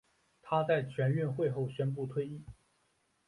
她在全运会后宣布退役。